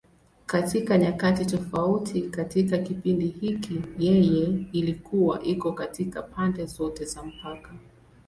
Katika nyakati tofauti katika kipindi hiki, yeye ilikuwa iko katika pande zote za mpaka.